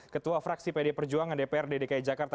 ketua fraksi pd perjuangan dprd dki jakarta